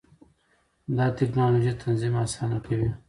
دا ټېکنالوژي تنظیم اسانه کوي.